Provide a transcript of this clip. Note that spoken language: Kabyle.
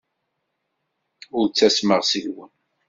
Ur ttasmeɣ seg-wen.